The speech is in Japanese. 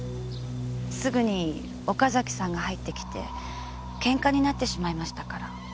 すぐに岡崎さんが入ってきてケンカになってしまいましたから。